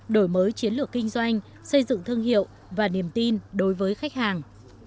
đổi mới chiến lược kinh doanh xây dựng thương hiệu và niềm tin đối với khách hàng